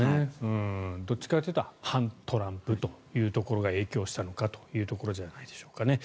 どっちかというと反トランプというところが影響したのかというところじゃないでしょうかね。